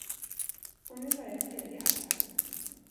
Och nu börjar tredje akten.